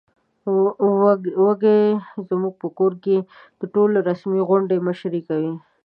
وزې زموږ په کور کې د ټولو رسمي غونډو مشري کوي.